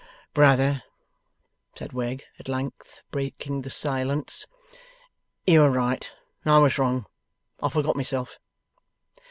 'Brother,' said Wegg, at length breaking the silence, 'you were right, and I was wrong. I forgot myself.